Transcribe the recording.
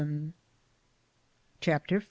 49 CHAPTER V.